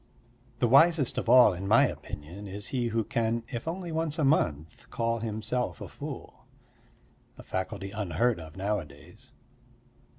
The wisest of all, in my opinion, is he who can, if only once a month, call himself a fool a faculty unheard of nowadays.